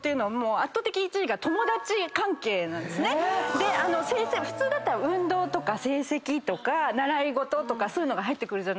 で普通だったら運動とか成績とか習い事とかそういうのが入ってくる。